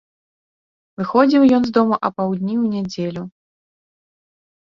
Выходзіў ён з дому апаўдні ў нядзелю.